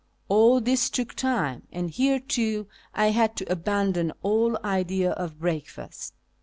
All this took time, and here, too, I had to abandon all idea of breakfast.